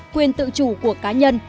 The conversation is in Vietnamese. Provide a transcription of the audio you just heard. quyền tự chủ của cá nhân